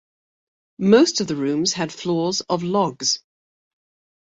Most of the rooms had floors of logs.